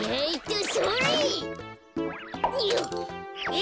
え！